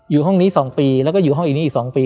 ห้องนี้๒ปีแล้วก็อยู่ห้องอีกนี้อีก๒ปี